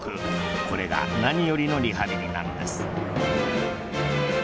これが何よりのリハビリなんです。